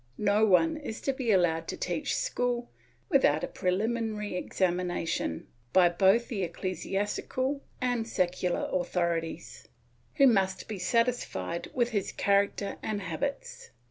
No one is to be allowed to teach school without a preliminary examination, by both the ecclesiastical and secular authorities, who must be satisfied with his character and habits.